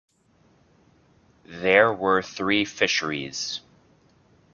There were three fisheries.